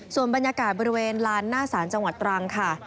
ส่วนบรรยากาศบริเวณลานหน้าศาลจังหวัดตรังค่ะ